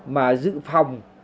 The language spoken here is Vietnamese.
mà giữ phòng